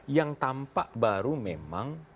yang tampak baru memang